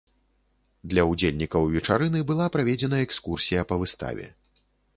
Для ўдзельнікаў вечарыны была праведзена экскурсія па выставе.